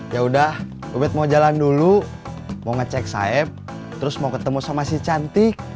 yaudah bu bet mau jalan dulu mau ngecek saeb terus mau ketemu sama si cantik